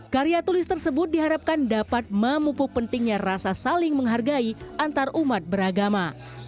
karya tulis tersebut diharapkan dapat memupuk pentingnya rasa saling menghargai antarumat beragama